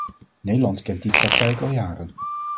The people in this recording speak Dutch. Nederland kent die praktijk al jaren.